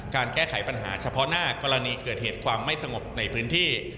การแก้ไขปัญหาเฉพาะหน้ากรณีเกิดเหตุความไม่สงบในพื้นที่